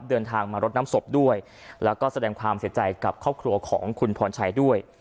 เดินทางมารดน้ำศพด้วยแล้วก็แสดงความเสียใจกับครอบครัวของคุณพรชัยด้วย